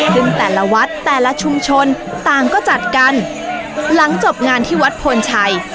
ซึ่งแต่ละวัดแต่ละชุมชนต่างก็จัดกันหลังจบงานที่วัดพลชัย